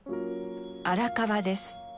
荒川です。